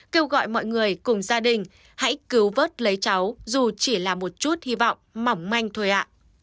kêu gọi mọi người cùng gia đình hãy cứu vớt lấy cháu dù chỉ là một chút hy vọng mỏng manh thôi ạ